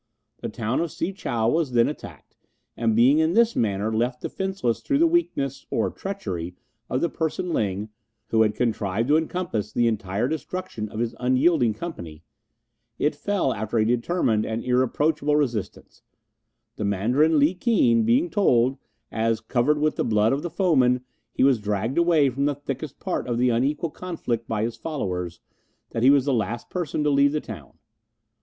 The town of Si chow was then attacked, and being in this manner left defenceless through the weakness or treachery of the person Ling, who had contrived to encompass the entire destruction of his unyielding company, it fell after a determined and irreproachable resistance; the Mandarin Li Keen being told, as, covered with the blood of the foemen, he was dragged away from the thickest part of the unequal conflict by his followers, that he was the last person to leave the town.